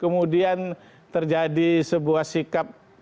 kemudian terjadi sebuah sikap politik yang berbeda